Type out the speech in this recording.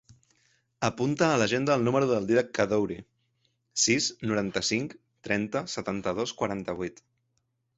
Apunta a l'agenda el número del Dídac Kaddouri: sis, noranta-cinc, trenta, setanta-dos, quaranta-vuit.